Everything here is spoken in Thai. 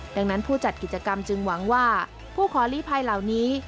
ดังนั้นผู้จัดกิจกรรมจึงหวังว่าผู้ขอลีภัยเหล่านี้